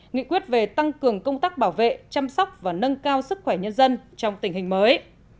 nghị quyết về tăng cường công tác bảo vệ chăm sóc và nâng cao sức khỏe nhân dân trong tình hình mới